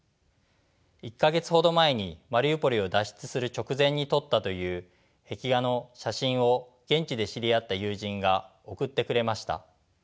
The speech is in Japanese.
１か月ほど前にマリウポリを脱出する直前に撮ったという壁画の写真を現地で知り合った友人が送ってくれました。